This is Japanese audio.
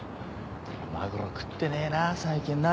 マグロ食ってねえな最近な。